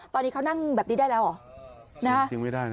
ตอนนี้เขานั่งแบบนี้ได้แล้วเหรอ